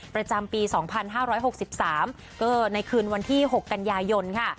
ประจำปี๒๕๖๓ก็ในคืนวันที่๖กันยายนค่ะ